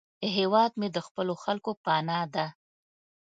هیواد مې د خپلو خلکو پناه ده